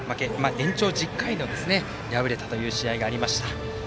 延長１０回に敗れたという試合がありました。